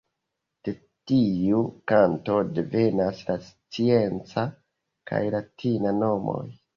De tiu kanto devenas la scienca kaj latina nomoj.